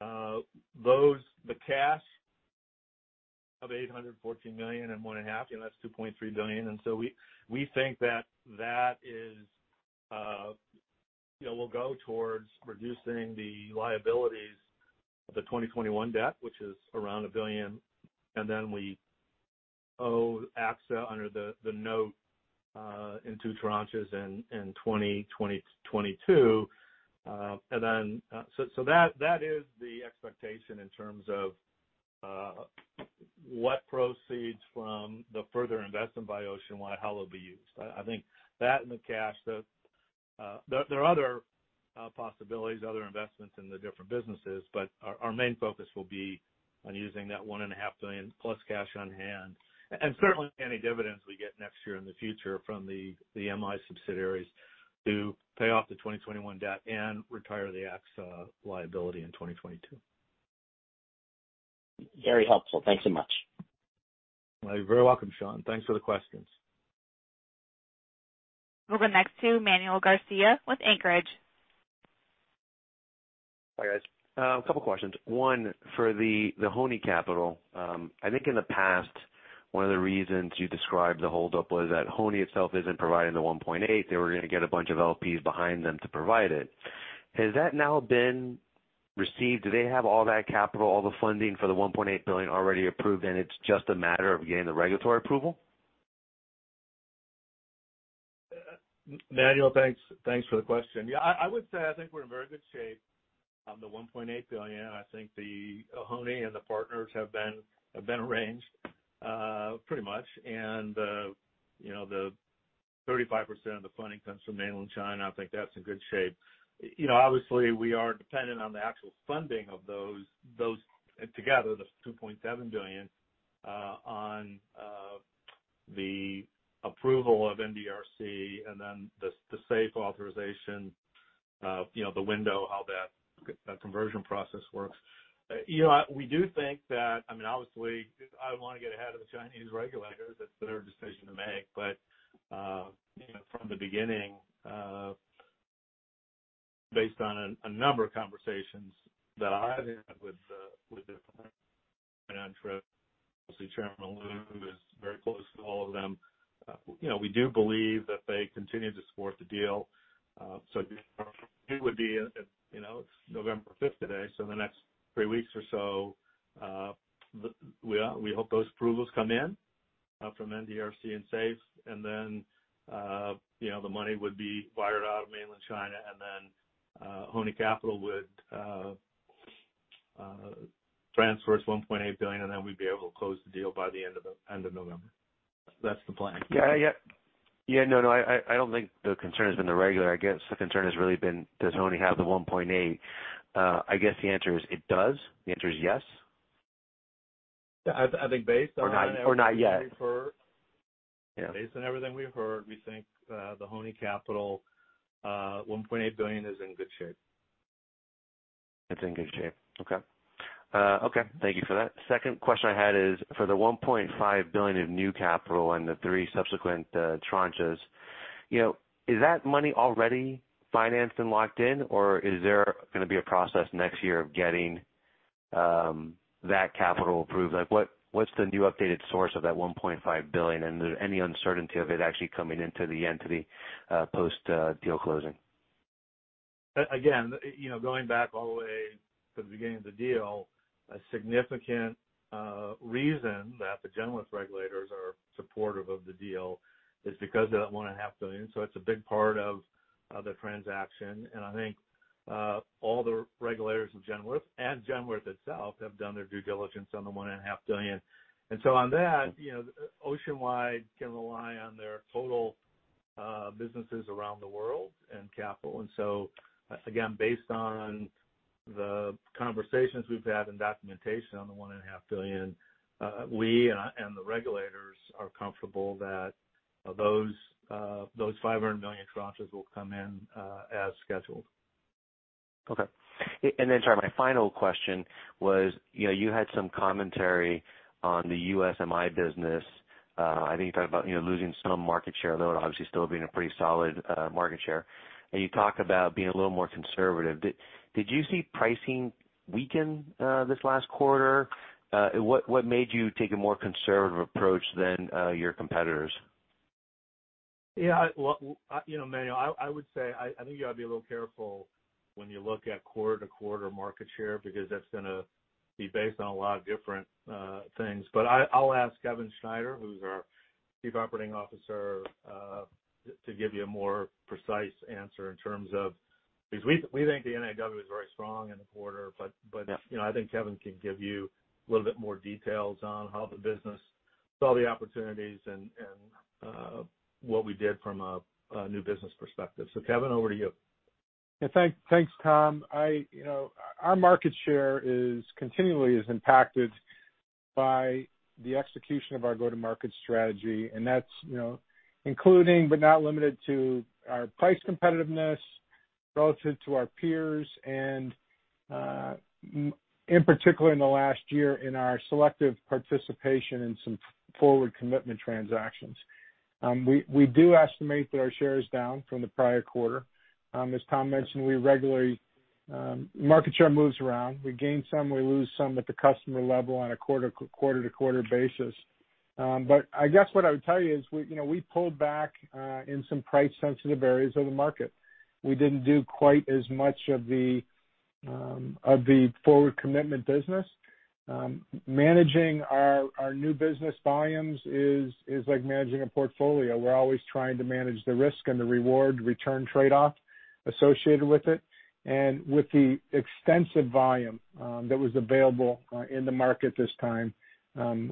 C: the cash of $814 million and $1.5 billion, that is $2.3 billion. We think that will go towards reducing the liabilities of the 2021 debt, which is around $1 billion. We owe AXA under the note in two tranches in 2022. That is the expectation in terms of what proceeds from the further investment by Oceanwide, how it'll be used. I think that and the cash. There are other possibilities, other investments in the different businesses, but our main focus will be on using that $1.5 billion plus cash on hand and certainly any dividends we get next year in the future from the MI subsidiaries to pay off the 2021 debt and retire the AXA liability in 2022.
G: Very helpful. Thanks so much.
C: You're very welcome, Sean. Thanks for the questions.
A: We'll go next to Manuel Garcia with Anchorage.
H: Hi, guys. A couple questions. One for the Hony Capital. I think in the past, one of the reasons you described the holdup was that Hony itself isn't providing the $1.8 billion. They were going to get a bunch of LPs behind them to provide it. Has that now been received? Do they have all that capital, all the funding for the $1.8 billion already approved and it's just a matter of getting the regulatory approval?
C: Manuel, thanks for the question. Yeah, I would say I think we're in very good shape. On the $1.8 billion, I think the Hony and the partners have been arranged pretty much. The 35% of the funding comes from mainland China. I think that's in good shape. Obviously, we are dependent on the actual funding of those together, the $2.7 billion, on the approval of NDRC and then the SAFE authorization, the window, how that conversion process works. We do think that, obviously, I don't want to get ahead of the Chinese regulators. That's their decision to make. From the beginning, based on a number of conversations that I've had with Chairman Lu, who is very close to all of them, we do believe that they continue to support the deal. It's November 5th today. In the next three weeks or so, we hope those approvals come in from NDRC and SAFE. The money would be wired out of mainland China. Hony Capital would transfer its $1.8 billion. We'd be able to close the deal by the end of November. That's the plan.
H: Yeah. No, I don't think the concern has been the regulator. I guess the concern has really been, does Hony have the $1.8? I guess the answer is it does. The answer is yes?
C: I think based on everything we've heard.
H: not yet? Yeah
C: Based on everything we've heard, we think the Hony Capital $1.8 billion is in good shape.
H: It's in good shape. Okay. Thank you for that. Second question I had is for the $1.5 billion of new capital and the three subsequent tranches. Is that money already financed and locked in or is there going to be a process next year of getting that capital approved? What's the new updated source of that $1.5 billion and any uncertainty of it actually coming into the entity post deal closing?
C: Going back all the way to the beginning of the deal, a significant reason that the Genworth regulators are supportive of the deal is because of that $1.5 billion. It's a big part of the transaction, and I think all the regulators of Genworth and Genworth itself have done their due diligence on the $1.5 billion. On that, Oceanwide can rely on their total businesses around the world and capital. Again, based on the conversations we've had and documentation on the $1.5 billion, we and the regulators are comfortable that those $500 million tranches will come in as scheduled.
H: Okay. Sorry, my final question was, you had some commentary on the USMI business. I think you talked about losing some market share, though it obviously still being a pretty solid market share. You talked about being a little more conservative. Did you see pricing weaken this last quarter? What made you take a more conservative approach than your competitors?
C: Yeah. Well, Manuel, I would say, I think you got to be a little careful when you look at quarter-to-quarter market share, because that's going to be based on a lot of different things. I'll ask Kevin Schneider, who's our Chief Operating Officer, to give you a more precise answer because we think the NIW is very strong in the quarter. Yeah. I think Kevin can give you a little bit more details on how the business saw the opportunities and what we did from a new business perspective. Kevin, over to you.
I: Yeah. Thanks, Tom. Our market share continually is impacted by the execution of our go-to-market strategy, that's including, but not limited to, our price competitiveness relative to our peers, in particular, in the last year, in our selective participation in some forward commitment transactions. We do estimate that our share is down from the prior quarter. As Tom mentioned, market share moves around. We gain some, we lose some at the customer level on a quarter-to-quarter basis. I guess what I would tell you is we pulled back in some price-sensitive areas of the market. We didn't do quite as much of the forward commitment business. Managing our new business volumes is like managing a portfolio. We're always trying to manage the risk and the reward-return tradeoff associated with it. With the extensive volume that was available in the market this time,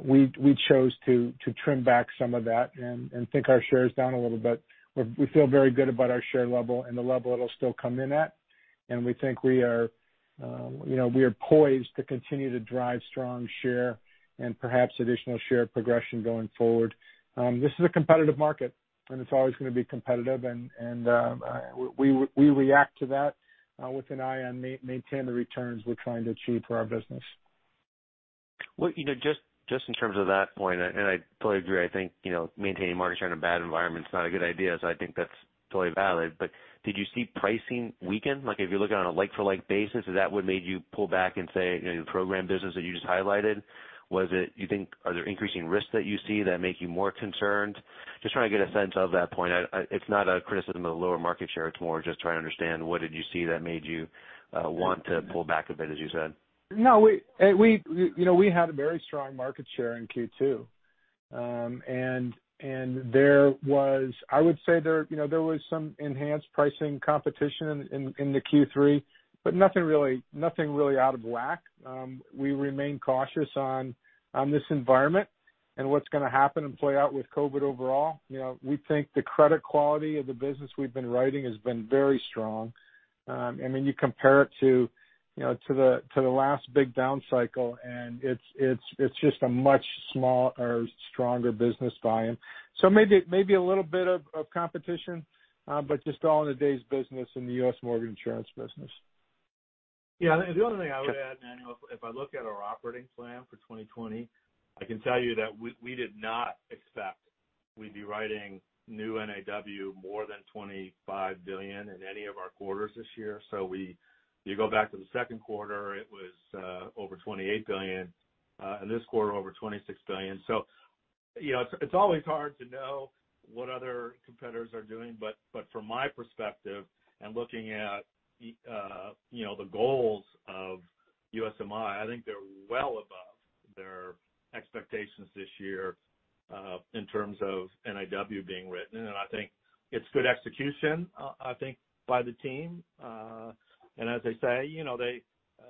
I: we chose to trim back some of that and think our share is down a little bit. We feel very good about our share level and the level it'll still come in at. We think we are poised to continue to drive strong share and perhaps additional share progression going forward. This is a competitive market, and it's always going to be competitive, and we react to that with an eye on maintaining the returns we're trying to achieve for our business.
H: Just in terms of that point, and I totally agree, I think maintaining market share in a bad environment is not a good idea. I think that's totally valid. Did you see pricing weaken? Like if you're looking on a like-for-like basis, is that what made you pull back and say in the program business that you just highlighted? Are there increasing risks that you see that make you more concerned? Just trying to get a sense of that point. It's not a criticism of lower market share. It's more just trying to understand what did you see that made you want to pull back a bit, as you said.
I: No, we had a very strong market share in Q2. There was, I would say there was some enhanced pricing competition in the Q3, but nothing really out of whack. We remain cautious on this environment and what's going to happen and play out with COVID overall. We think the credit quality of the business we've been writing has been very strong. I mean, you compare it to the last big down cycle, and it's just a much stronger business buy-in. Maybe a little bit of competition, but just all in a day's business in the U.S. Mortgage Insurance business.
C: The only thing I would add, Manuel, if I look at our operating plan for 2020, I can tell you that we did not expect we'd be writing new NIW more than $25 billion in any of our quarters this year. You go back to the second quarter, it was over $28 billion, and this quarter over $26 billion. It's always hard to know what other competitors are doing, but from my perspective and looking at the goals of USMI, I think they're well above their expectations this year in terms of NIW being written, and I think it's good execution by the team. As they say,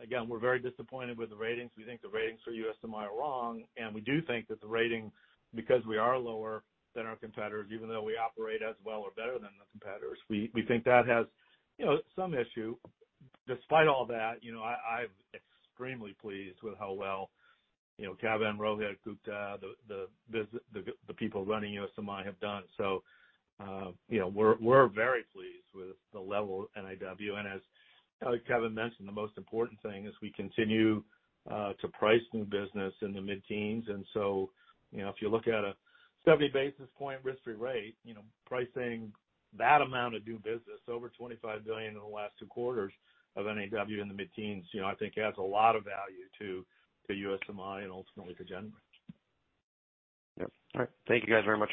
C: again, we're very disappointed with the ratings. We think the ratings for USMI are wrong, and we do think that the rating, because we are lower than our competitors, even though we operate as well or better than the competitors, we think that has some issue. Despite all that, I'm extremely pleased with how well Kevin, Rohit Gupta, the people running USMI have done. We're very pleased with the level of NIW. As Kevin mentioned, the most important thing is we continue to price new business in the mid-teens. If you look at a 70-basis-point risk-free rate, pricing that amount of new business, over $25 billion in the last two quarters of NIW in the mid-teens, I think adds a lot of value to USMI and ultimately to Genworth.
H: Yep. All right. Thank you guys very much.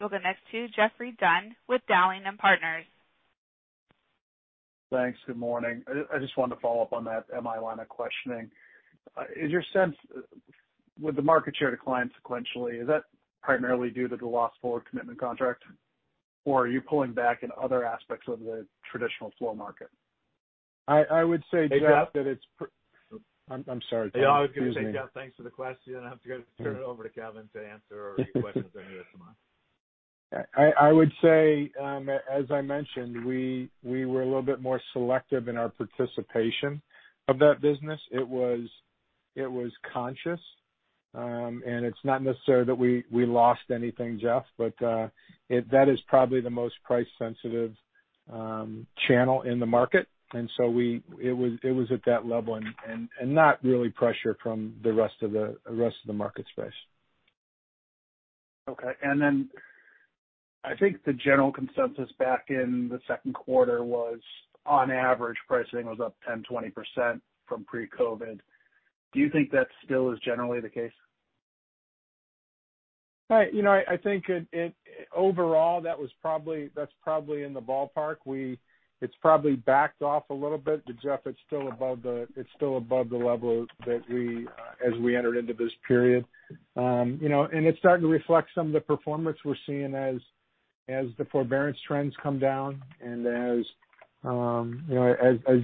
A: The next to Geoffrey Dunn with Dowling & Partners.
J: Thanks. Good morning. I just wanted to follow up on that MI line of questioning. Is your sense with the market share decline sequentially, is that primarily due to the lost forward commitment contract, or are you pulling back in other aspects of the traditional flow market?
I: I would say, Geoff, that it's.
C: Hey, Geoff.
I: I'm sorry, Tom. Excuse me.
C: Yeah, I was going to say, Geoff, thanks for the question. I have to turn it over to Kevin to answer any questions on USMI.
I: I would say, as I mentioned, we were a little bit more selective in our participation of that business. It was conscious, and it's not necessarily that we lost anything, Geoff, but that is probably the most price-sensitive channel in the market. It was at that level and not really pressure from the rest of the market space.
J: Okay. I think the general consensus back in the Q2 was, on average, pricing was up 10%, 20% from pre-COVID. Do you think that still is generally the case?
I: I think overall, that's probably in the ballpark. It's probably backed off a little bit, but Geoff, it's still above the level as we entered into this period. It's starting to reflect some of the performance we're seeing as the forbearance trends come down and as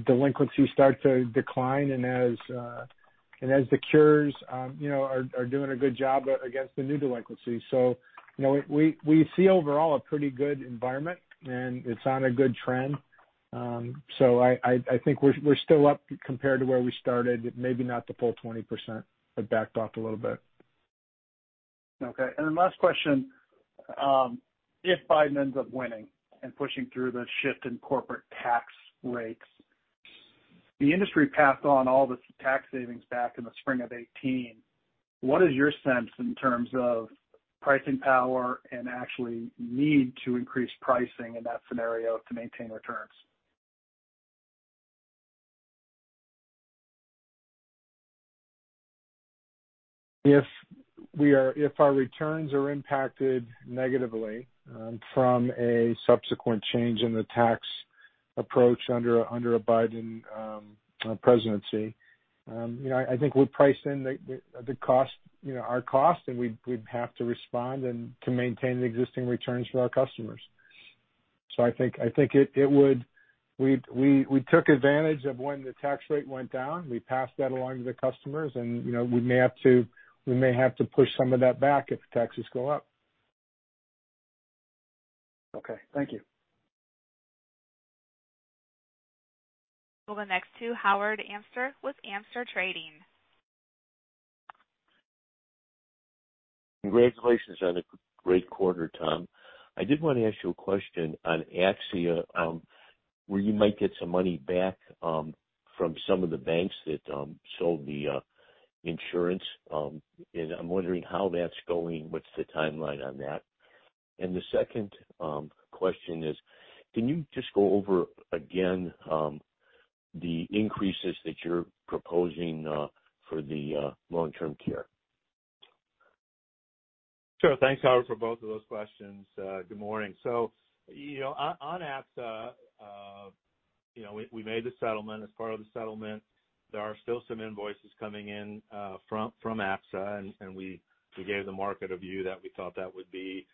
I: delinquencies start to decline and as the cures are doing a good job against the new delinquencies. We see overall a pretty good environment, and it's on a good trend. I think we're still up compared to where we started, maybe not the full 20%, but backed off a little bit.
J: Okay. Last question. If Biden ends up winning and pushing through the shift in corporate tax rates, the industry passed on all the tax savings back in the spring of 2018. What is your sense in terms of pricing power and actually need to increase pricing in that scenario to maintain returns?
I: If our returns are impacted negatively from a subsequent change in the tax approach under a Biden presidency, I think we'll price in our cost, and we'd have to respond and to maintain the existing returns for our customers. I think we took advantage of when the tax rate went down. We passed that along to the customers, and we may have to push some of that back if the taxes go up.
J: Okay. Thank you.
A: The next to Howard Amster with Amster Trading.
K: Congratulations on a great quarter, Tom. I did want to ask you a question on AXA, where you might get some money back from some of the banks that sold the insurance. I'm wondering how that's going? What's the timeline on that? The second question is, can you just go over again the increases that you're proposing for the long-term care?
C: Sure. Thanks, Howard, for both of those questions. Good morning. On AXA, we made the settlement. As part of the settlement, there are still some invoices coming in from AXA. We gave the market a view that we thought that would be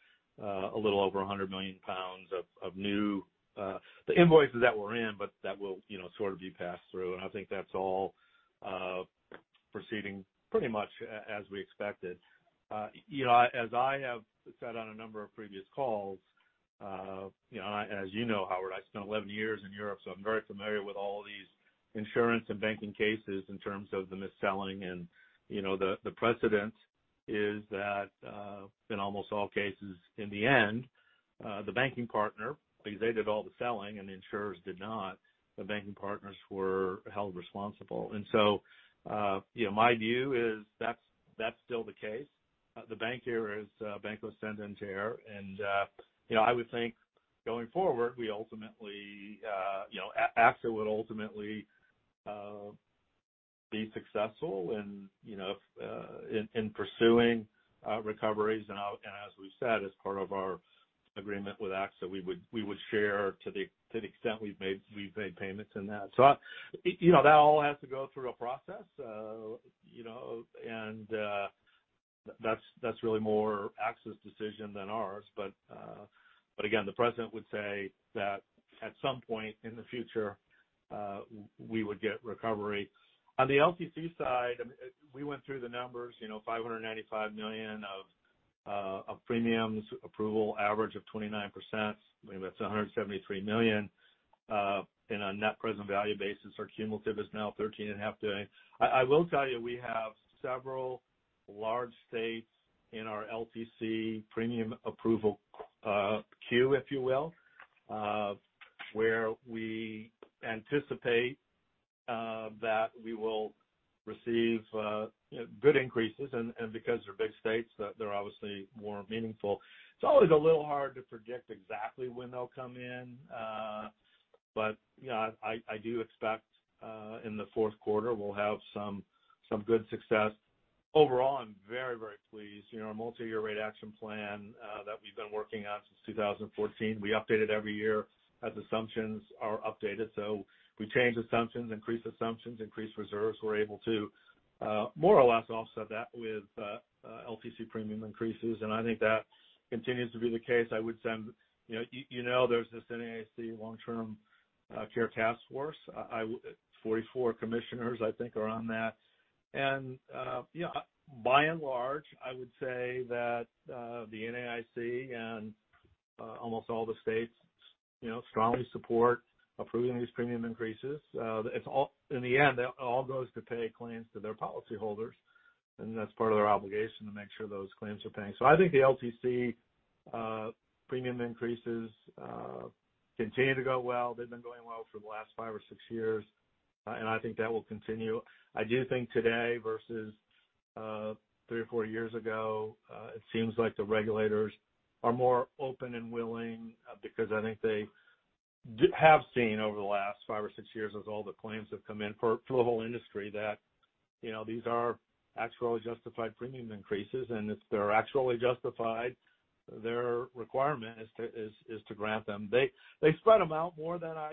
C: a little over 100 million pounds of new, the invoices that were in, that will sort of be passed through. I think that's all proceeding pretty much as we expected. As I have said on a number of previous calls, as you know, Howard, I spent 11 years in Europe. I'm very familiar with all of these insurance and banking cases in terms of the mis-selling. The precedent is that in almost all cases, in the end, the banking partner, because they did all the selling and the insurers did not, the banking partners were held responsible. My view is that's still the case. The bank here is Banco Santander. I would think, going forward, AXA would ultimately be successful in pursuing recoveries. As we've said, as part of our agreement with AXA, we would share to the extent we've made payments in that. That all has to go through a process, and that's really more AXA's decision than ours. Again, the precedent would say that at some point in the future, we would get recovery. On the LTC side, we went through the numbers, $595 million of premiums, approval average of 29%, that's $173 million. In a net present value basis, our cumulative is now $13.5 today. I will tell you, we have several large states in our LTC premium approval queue, if you will, where we anticipate that we will receive good increases, and because they're big states, they're obviously more meaningful. It's always a little hard to predict exactly when they'll come in, but I do expect in the fourth quarter we'll have some good success. Overall, I'm very, very pleased. Our Multi-Year Rate Action Plan that we've been working on since 2014, we update it every year as assumptions are updated. We change assumptions, increase assumptions, increase reserves. We're able to more or less offset that with LTC premium increases, and I think that continues to be the case. You know there's this NAIC Long-Term Care Task Force. 44 commissioners, I think, are on that. By and large, I would say that the NAIC and almost all the states strongly support approving these premium increases. In the end, that all goes to pay claims to their policyholders, and that's part of their obligation to make sure those claims are paying. I think the LTC premium increases continue to go well. They've been going well for the last five or six years, and I think that will continue. I do think today versus three or four years ago, it seems like the regulators are more open and willing because I think they have seen over the last five or six years as all the claims have come in for the whole industry that these are actuarially justified premium increases. If they're actuarially justified, their requirement is to grant them. They spread them out more than I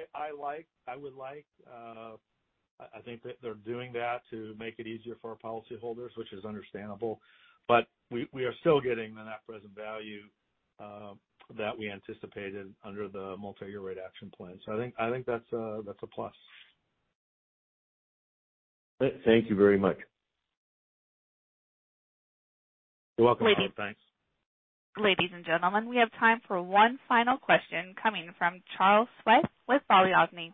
C: would like. I think that they're doing that to make it easier for our policyholders, which is understandable. We are still getting the net present value that we anticipated under the Multi-Year Rate Action Plan. I think that's a plus.
K: Thank you very much.
C: You're welcome. Thanks.
A: Ladies and gentlemen, we have time for one final question coming from Charles Sweat with Balyasny.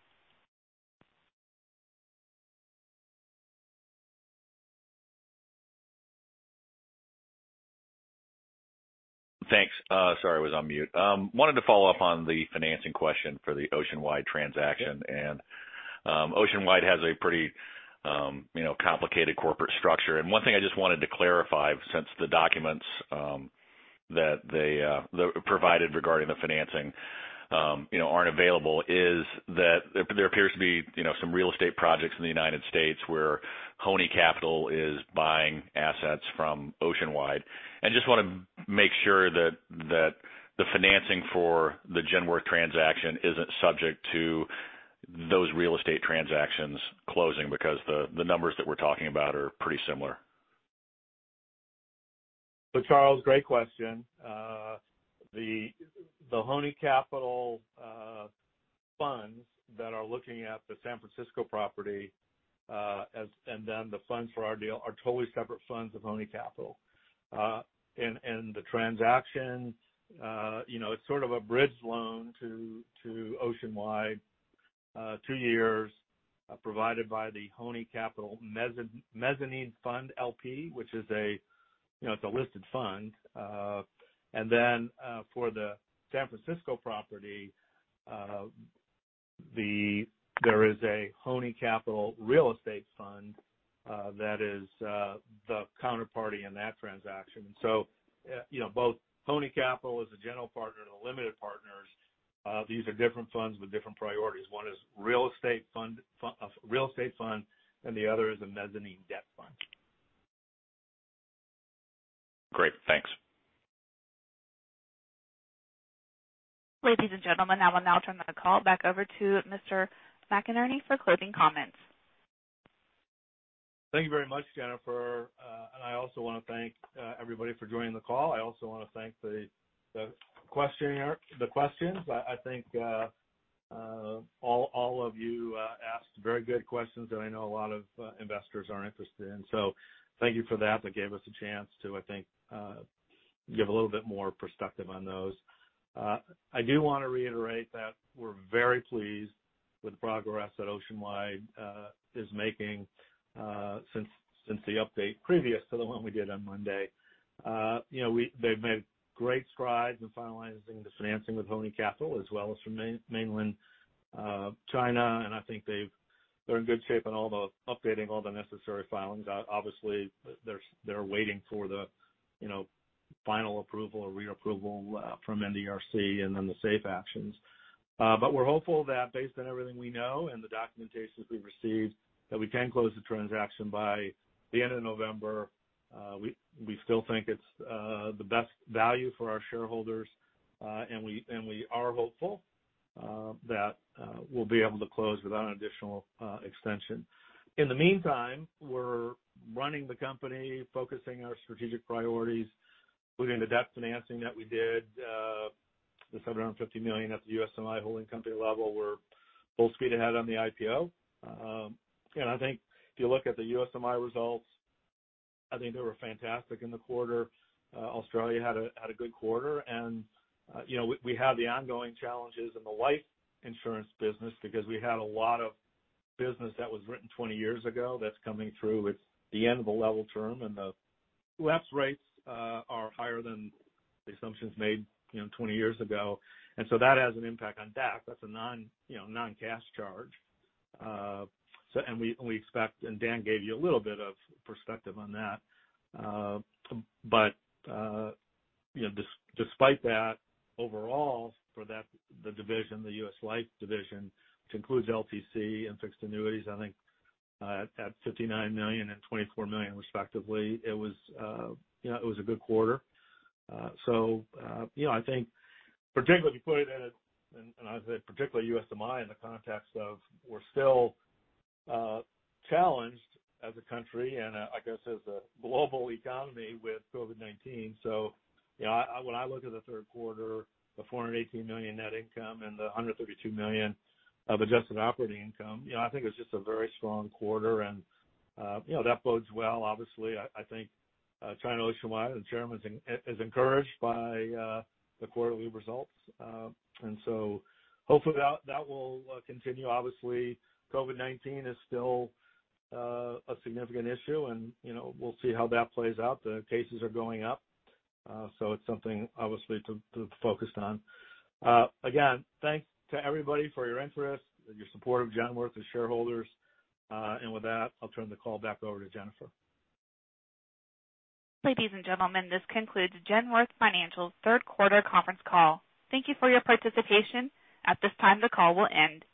L: Thanks. Sorry, was on mute. Wanted to follow up on the financing question for the Oceanwide transaction. Yeah. Oceanwide has a pretty complicated corporate structure. One thing I just wanted to clarify since the documents that they provided regarding the financing aren't available, is that there appears to be some real estate projects in the U.S. where Hony Capital is buying assets from Oceanwide. I just want to make sure that the financing for the Genworth transaction isn't subject to those real estate transactions closing because the numbers that we're talking about are pretty similar.
C: Charles, great question. The Hony Capital funds that are looking at the San Francisco property, and then the funds for our deal are totally separate funds of Hony Capital. The transaction, it's sort of a bridge loan to Oceanwide, two years, provided by the Hony Capital Mezzanine Fund LP, which is a listed fund. Then for the San Francisco property, there is a Hony Capital Real Estate fund that is the counterparty in that transaction. Both Hony Capital as a general partner and the limited partners. These are different funds with different priorities. One is real estate fund, and the other is a mezzanine debt fund.
L: Great. Thanks.
A: Ladies and gentlemen, I will now turn the call back over to Mr. McInerney for closing comments.
C: Thank you very much, Jennifer. I also want to thank everybody for joining the call. I also want to thank the questions. I think all of you asked very good questions that I know a lot of investors are interested in. Thank you for that. That gave us a chance to, I think, give a little bit more perspective on those. I do want to reiterate that we're very pleased with the progress that Oceanwide is making since the update previous to the one we did on Monday. They've made great strides in finalizing the financing with Hony Capital as well as from Mainland China. I think they're in good shape on all the updating, all the necessary filings. Obviously, they're waiting for the final approval or reapproval from NDRC, then the SAFE actions. We're hopeful that based on everything we know and the documentation we've received, that we can close the transaction by the end of November. We still think it's the best value for our shareholders, and we are hopeful that we'll be able to close without an additional extension. In the meantime, we're running the company, focusing our strategic priorities, including the debt financing that we did, the $750 million at the USMI holding company level. We're full speed ahead on the IPO. I think if you look at the USMI results, I think they were fantastic in the quarter. Australia had a good quarter. We have the ongoing challenges in the life insurance business because we had a lot of business that was written 20 years ago that's coming through. It's the end of a level term, and the lapse rates are higher than the assumptions made 20 years ago. That has an impact on DAC. That's a non-cash charge. We expect, and Dan gave you a little bit of perspective on that. Despite that, overall for the division, the U.S. Life division, which includes LTC and fixed annuities, I think at $59 million and $24 million respectively, it was a good quarter. I think particularly to put it in, and I say particularly USMI in the context of we're still challenged as a country and I guess as a global economy with COVID-19. When I look at the Q3, the $418 million net income and the $132 million of adjusted operating income, I think it's just a very strong quarter and that bodes well, obviously. I think China Oceanwide and the Chairman is encouraged by the quarterly results. Hopefully that will continue. Obviously, COVID-19 is still a significant issue and we'll see how that plays out. The cases are going up. It's something obviously to focus on. Again, thanks to everybody for your interest and your support of Genworth and shareholders. With that, I'll turn the call back over to Jennifer.
A: Ladies and gentlemen, this concludes Genworth Financial's Q3 Conference Call. Thank you for your participation. At this time, the call will end.